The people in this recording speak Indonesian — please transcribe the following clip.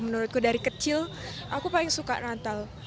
menurutku dari kecil aku paling suka natal